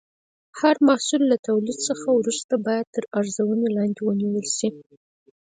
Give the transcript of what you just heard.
هر محصول له تولید څخه وروسته باید تر ارزونې لاندې ونیول شي.